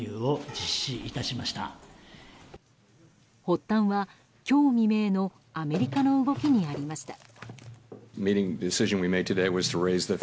発端は、今日未明のアメリカの動きにありました。